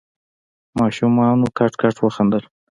ماشومانو کټ کټ وخندل.